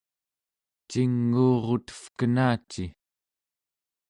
cinguurutevkenaci!